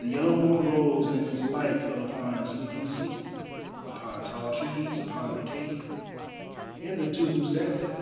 The yellow moon rose and its light fell upon a sleeping sea, upon tall trees, upon the cave, and the two who sat there.